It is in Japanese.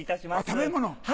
食べ物？